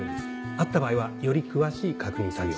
あった場合はより詳しい確認作業を。